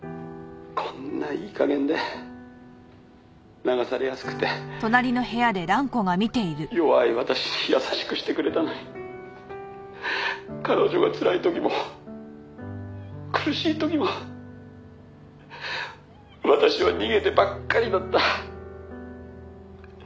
「こんないい加減で流されやすくて弱い私に優しくしてくれたのに彼女がつらい時も苦しい時も私は逃げてばっかりだった」